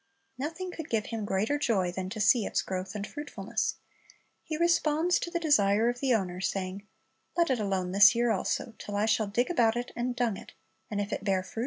Nothing could give him greater joy than to see its growth and fruitfulness. He responds to the desire of the owner, saying, "Let it alone this year also, till I shall dig about it, and dung it; and if it bear fruit, well."